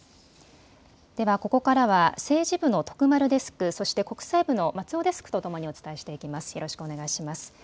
では、ここからは政治部の徳丸デスクそして国際部の松尾デスクとお伝えしていきます。